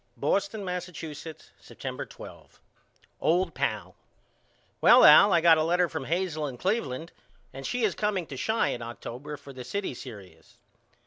Boston, Massachusetts, September 12. OLD PAL: Well Al I got a letter from Hazel in Cleveland and she is comeing to Chi in October for the city serious.